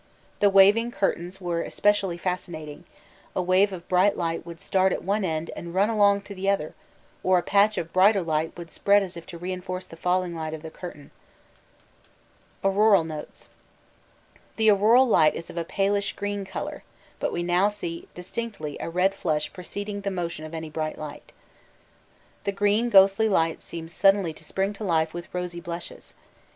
The waving curtains were especially fascinating a wave of bright light would start at one end and run along to the other, or a patch of brighter light would spread as if to reinforce the failing light of the curtain. Auroral Notes The auroral light is of a palish green colour, but we now see distinctly a red flush preceding the motion of any bright part. The green ghostly light seems suddenly to spring to life with rosy blushes.